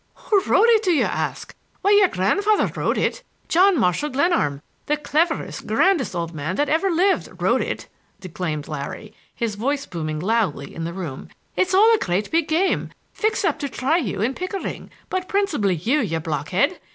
"Who wrote it, do you ask? Why, your grandfather wrote it! John Marshall Glenarm, the cleverest, grandest old man that ever lived, wrote it!" declaimed Larry, his voice booming loudly in the room. "It's all a great big game, fixed up to try you and Pickering,—but principally you, you blockhead!